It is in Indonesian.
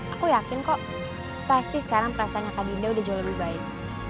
aku yakin kok pasti sekarang perasaannya kak dinda udah jauh lebih baik